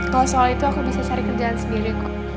kalau soal itu aku bisa cari kerjaan sendiri